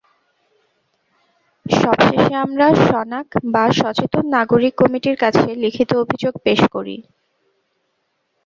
সবশেষে আমরা সনাক বা সচেতন নাগরিক কমিটির কাছে লিখিত অভিযোগ পেশ করি।